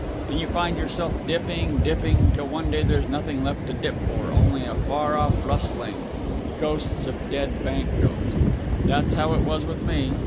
and you find yourself dipping dipping till one day there's nothing left to dip for only a far off rustling the ghosts of dead bank notes. That's how it was with me.